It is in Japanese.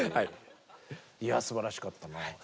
いやすばらしかったな。